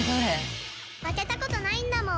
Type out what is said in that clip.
負けたことないんだもん。